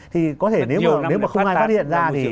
thì có thể nếu mà không ai phát hiện ra